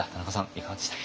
いかがでしたか？